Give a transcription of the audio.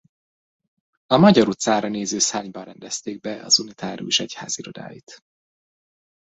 A Magyar utcára néző szárnyban rendezték be az unitárius egyház irodáit.